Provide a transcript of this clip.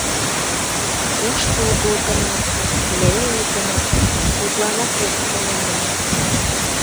— Куштылго гынат, неле гынат, тудланак вет толынам.